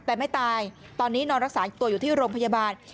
แต่ไม่ตายตอนนี้นอนรักษาตัวอยู่ที่โรงพยาบาล